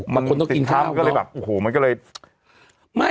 บางคนต้องกินเช้า